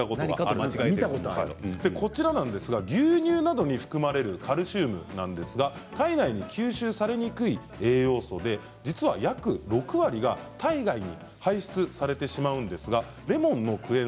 牛乳などに含まれるカルシウムなんですが体内に吸収されにくい栄養素で実は、約６割が体外に排出されてしまうんですがレモンのクエン